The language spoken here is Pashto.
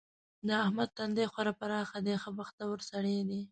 د احمد تندی خورا پراخ دی؛ ښه بختور سړی دی.